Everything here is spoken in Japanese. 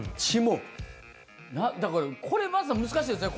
だから、これまず難しいですね。